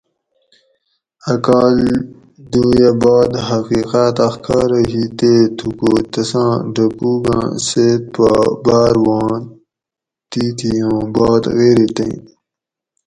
اۤ کال دویٔہ باد حقیقاۤت اخکارہ ھی تے تھوکو تساں ڈکھوگاں سیت پا بار واں تیتھیوں بات غیریتیں